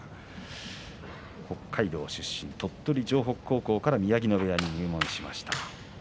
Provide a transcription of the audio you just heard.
北海道出身、鳥取城北高校から宮城野部屋に入門しました。